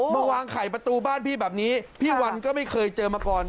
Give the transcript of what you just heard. มาวางไข่ประตูบ้านพี่แบบนี้พี่วันก็ไม่เคยเจอมาก่อน